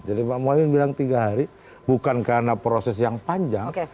jadi pak mohamed bilang tiga hari bukan karena proses yang panjang